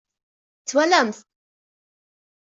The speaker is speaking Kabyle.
Twalamt-t?